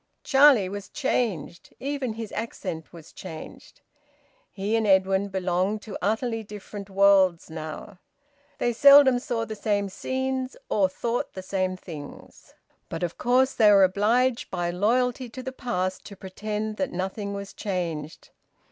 Charlie was changed; even his accent was changed. He and Edwin belonged to utterly different worlds now. They seldom saw the same scenes or thought the same things. But of course they were obliged by loyalty to the past to pretend that nothing was changed.